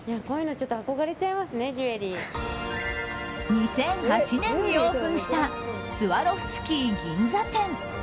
２００８年にオープンしたスワロフスキー銀座店。